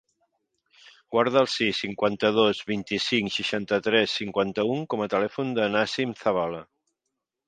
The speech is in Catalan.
Guarda el sis, cinquanta-dos, vint-i-cinc, seixanta-tres, cinquanta-u com a telèfon del Nassim Zavala.